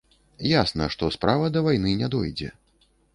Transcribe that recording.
Ясна, што справа да вайны не дойдзе.